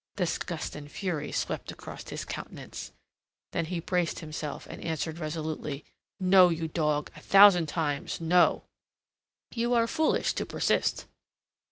Disgust and fury swept across his countenance. Then he braced himself and answered resolutely: "No, you dog! A thousand times, no!" "You are foolish to persist."